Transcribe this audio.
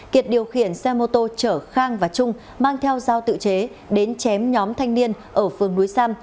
kiệt điều khiển xe mô tô chở khang và trung mang theo dao tự chế đến chém nhóm thanh niên ở phường núi sam